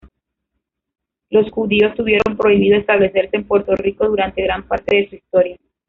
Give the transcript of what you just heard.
Los judíos tuvieron prohibido establecerse en Puerto Rico durante gran parte de su historia.